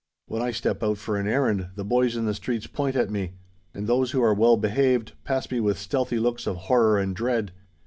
When I step out for an errand, the boys in the streets point at me; and those who are well behaved, pass me with stealthy looks of horror and dread.